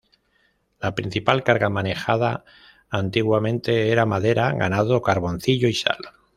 La principal carga manejada antiguamente era madera, ganado, carboncillo y sal.